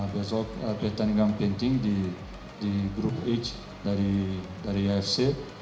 besok pertandingan di grup h dari afc